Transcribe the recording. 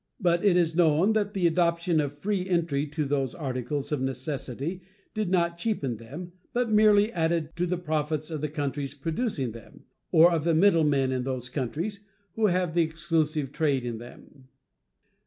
But it is known that the adoption of free entry to those articles of necessity did not cheapen them, but merely added to the profits of the countries producing them, or of the middlemen in those countries, who have the exclusive trade in them.